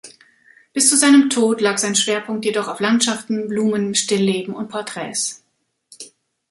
Bis zu seinem Tod lag sein Schwerpunkt jedoch auf Landschaften, Blumen, Stillleben und Porträts.